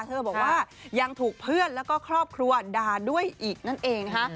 เธอบอกว่ายังถูกเพื่อนแล้วก็ครอบครัวด่าด้วยอีกนั่นเองนะคะ